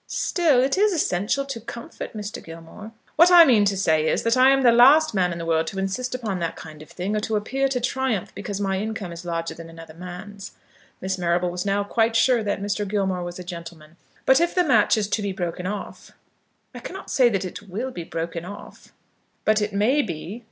"Still it is essential to comfort, Mr. Gilmore." "What I mean to say is, that I am the last man in the world to insist upon that kind of thing, or to appear to triumph because my income is larger than another man's." Miss Marrable was now quite sure that Mr. Gilmore was a gentleman. "But if the match is to be broken off " "I cannot say that it will be broken off." "But it may be?"